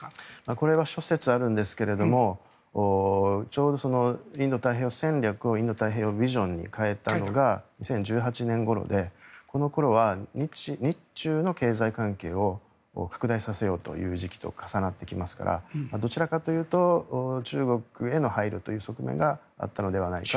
これは諸説ありますがちょうどインド太平洋戦略をインド太平洋ビジョンに変えたのが２０１８年ごろでこの頃は日中の経済関係を拡大させようという時期と重なってきますからどちらかというと中国への配慮という側面があったのではないかと。